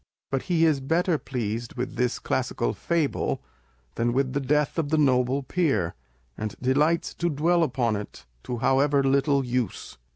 But he is better pleased with this classical fable than with the death of the Noble Peer, and delights to dwell upon it, to however little use.